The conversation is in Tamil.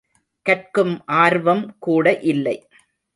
கற்கும் ஆர்வம் கூட இல்லை.